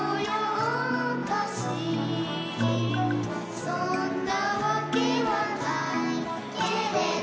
「そんなわけはないけれど」